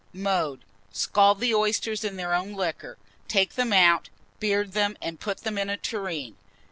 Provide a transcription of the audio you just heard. Mode. Scald the oysters in their own liquor; take them out, beard them, and put them in a tureen.